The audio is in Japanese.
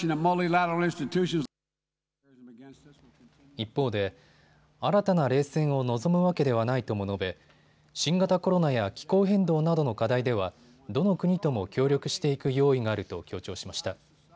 一方で新たな冷戦を望むわけではないとも述べ、新型コロナや気候変動などの課題ではどの国とも協力していく用意があると強調しました。